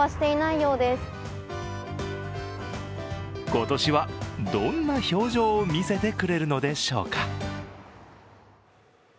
今年はどんな表情を見せてくれるのでしょうか。